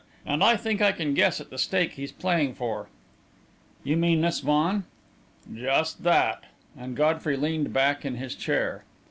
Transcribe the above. And I think I can guess at the stake he's playing for." "You mean Miss Vaughan?" "Just that," and Godfrey leaned back in his chair.